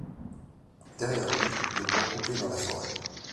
Derrière lui le bois coupé dans la forêt !